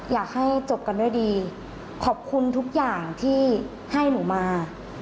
อยากให้จบกันด้วยดีขอบคุณทุกอย่างที่ให้หนูมา